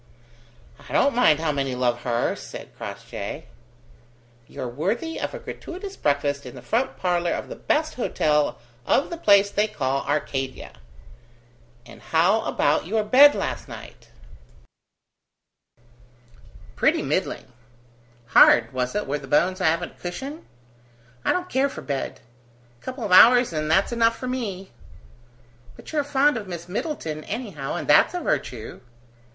"I don't mind how many love her," said Crossjay. "You're worthy of a gratuitous breakfast in the front parlour of the best hotel of the place they call Arcadia. And how about your bed last night?" "Pretty middling." "Hard, was it, where the bones haven't cushion?" "I don't care for bed. A couple of hours, and that's enough for me." "But you're fond of Miss Middleton anyhow, and that's a virtue."